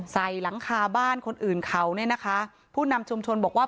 หลังคาบ้านคนอื่นเขาเนี่ยนะคะผู้นำชุมชนบอกว่า